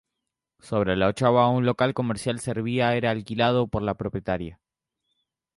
Sobre la ochava, un local comercial servía era alquilado por la propietaria.